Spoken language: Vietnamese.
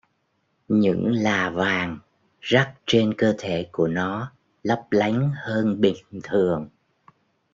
những là vàng rắt trên cơ thể của nó lấp lánh hơn bình thường